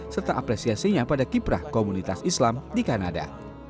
serta apresiasinya pada kiprah komunitas islam di kanada